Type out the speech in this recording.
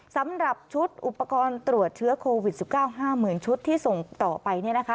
สำหรับชุดอุปกรณ์ตรวจเชื้อโควิด๑๙๕๐๐๐ชุดที่ส่งต่อไปเนี่ยนะคะ